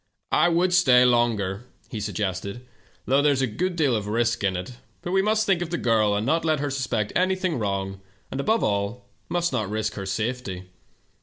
H would stay longer,' he suggested, 'though there is a good deal of risk in it, but we must think of the girl, and not let her suspect anything wrong, and, above all, must not risk her safety.